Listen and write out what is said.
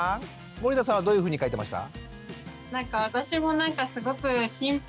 森田さんはどういうふうに書いてました？